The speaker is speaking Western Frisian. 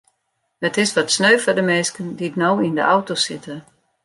It is wat sneu foar de minsken dy't no yn de auto sitte.